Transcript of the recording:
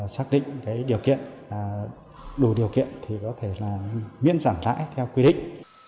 xác định đủ điều kiện thì có thể miễn giảm lại theo quy định